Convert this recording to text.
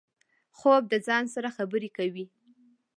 خوب د ځان سره خبرې دي